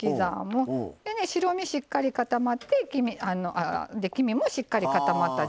でね白身しっかり固まってで黄身もしっかり固まった状態。